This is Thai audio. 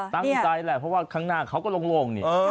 ตั้งใจแหละเพราะว่าข้างหน้าเขาก็โล่งนี่